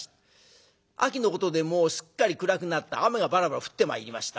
秋のことでもうすっかり暗くなって雨がバラバラ降ってまいりました。